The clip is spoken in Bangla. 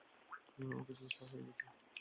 ওকে, চিকিৎসা হয়ে গেছে।